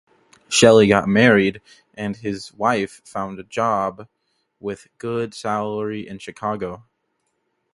Shelley got married and his wife found job with good salary in Chicago.